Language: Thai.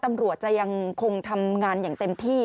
ตำรวจจะยังคงทำงานอย่างเต็มที่